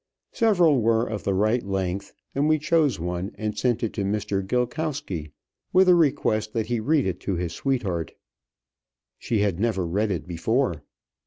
Several were of the right length; and we chose one, and sent it to Mr. Gilkowsky, with a request that he read it to his sweetheart. She had never read it before.